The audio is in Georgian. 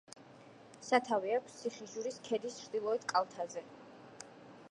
სათავე აქვს ციხისჯვრის ქედის ჩრდილოეთ კალთაზე.